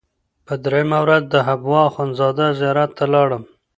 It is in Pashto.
په درېیمه ورځ د حبوا اخندزاده زیارت ته لاړم.